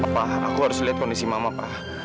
papa aku harus liat kondisi mama pa